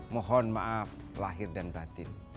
mohon maaf lahir dan batin